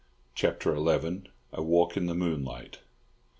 CHAPTER XI. A WALK IN THE MOONLIGHT.